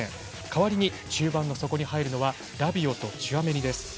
代わりに中盤に入るのはラビオとチュアメニです。